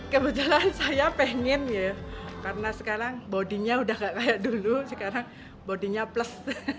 kebetulan saya pengen ya karena sekarang bodinya udah gak kayak dulu sekarang bodinya plus